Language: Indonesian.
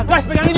guys pegangin dia